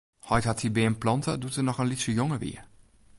Heit hat dy beam plante doe't er noch in lytse jonge wie.